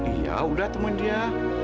iya udah temen dia